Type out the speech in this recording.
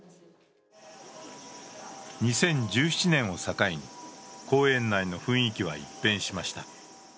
２０１７年を境に、公園内の雰囲気は一変しました。